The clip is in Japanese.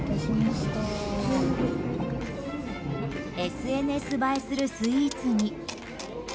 ＳＮＳ映えするスイーツに。